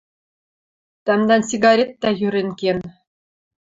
— Тӓмдӓн сигаретдӓ йӧрен кен.